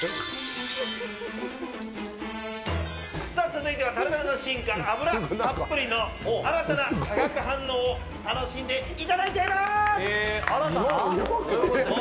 続いてはタルタルの進化脂たっぷりの新たな化学反応を楽しんでいただいちゃいます！